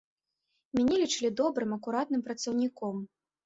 Мяне лічылі добрым, акуратным працаўніком.